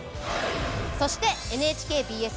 そしてＮＨＫＢＳ